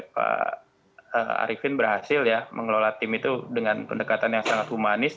pak arifin berhasil ya mengelola tim itu dengan pendekatan yang sangat humanis